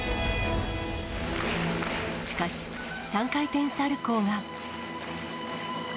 しかし、３回転サルコーが。